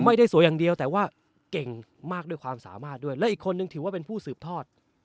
ไม่ได้สวยอย่างเดียวแต่ว่าเก่งมากด้วยความสามารถด้วยและอีกคนนึงถือว่าเป็นผู้สืบทอด